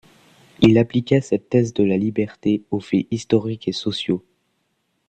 Il appliqua cette thèse de la liberté aux faits historiques et sociaux.